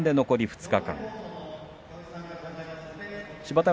残り２日間です。